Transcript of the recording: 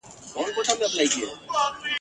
ما لیدلي دي کوهي د غمازانو ..